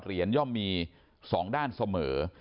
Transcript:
เหรียญย่อมมี๒ด้านเสมอ